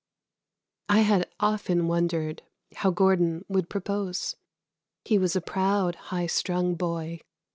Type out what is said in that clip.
I had often wondered how Gordon would propose. He was a proud, high strung boy.